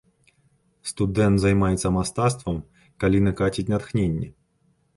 Студэнт займаецца мастацтвам, калі накаціць натхненне.